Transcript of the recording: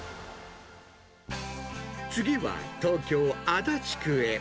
次は東京・足立区へ。